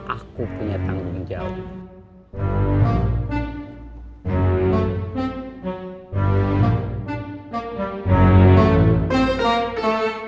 aku punya tanggung jawab